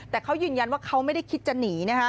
แต่เขายืนยันว่าเขาไม่ได้คิดจะหนี